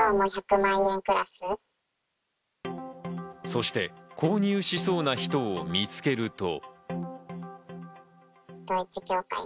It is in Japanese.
そして購入しそうな人を見つけると。